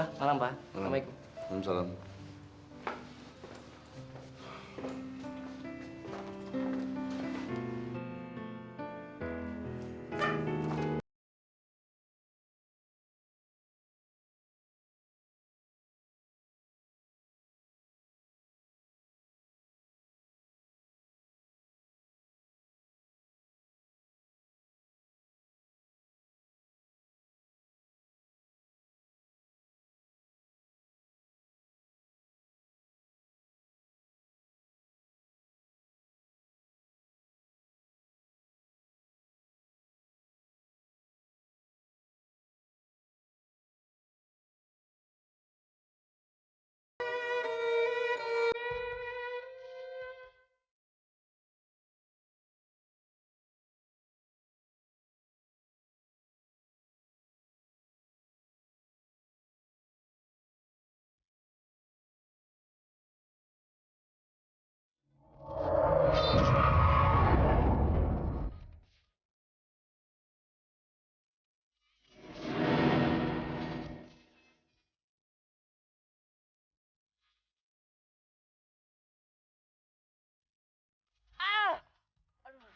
hai pak malam pak